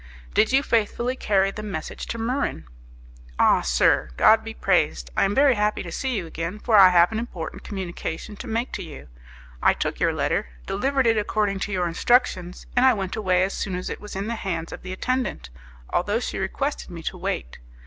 "Did you faithfully carry the message to Muran?" "Ah, sir! God be praised! I am very happy to see you again, for I have an important communication to make to you. I took your letter, delivered it according to your instructions, and I went away as soon as it was in the hands of the attendant, although she requested me to wait.